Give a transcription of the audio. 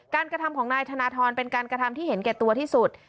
กระทำของนายธนทรเป็นการกระทำที่เห็นแก่ตัวที่สุด